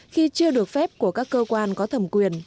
khi chưa được phép của các cơ quan có thẩm quyền